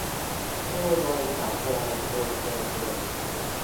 ผู้โดยสารสุวรรณภูมิเจอเอง